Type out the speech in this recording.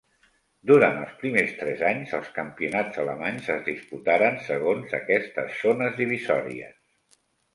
Durant els primers tres anys els campionats alemanys es disputaren segons aquestes zones divisòries.